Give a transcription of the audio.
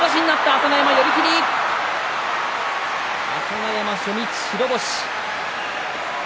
朝乃山、初日白星。